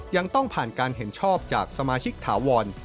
ยังต้องผ่านการเห็นชอบจากสมาชิกถาวร